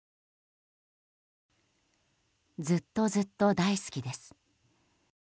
ずっとずっと大好きです。